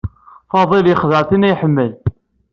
Fadil yexdeɛ tin ay iḥemmel.